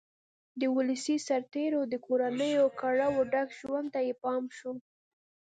د ولسي سرتېرو د کورنیو کړاوه ډک ژوند ته یې پام شو